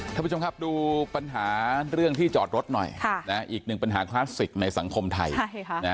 ท่านผู้ชมครับดูปัญหาเรื่องที่จอดรถหน่อยอีกหนึ่งปัญหาคลาสสิกในสังคมไทย